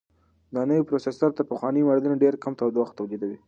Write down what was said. دا نوی پروسیسر تر پخوانیو ماډلونو ډېر کم تودوخه تولیدوي.